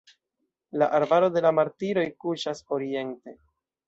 La arbaro de la martiroj kuŝas oriente.